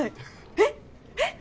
えっ？えっ？